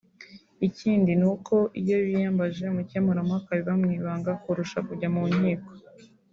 Ikindi ni uko iyo biyambaje ubukemurampaka biba mu ibanga kurusha kujya mu nkiko